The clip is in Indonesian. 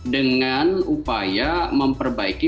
dengan upaya memperbaiki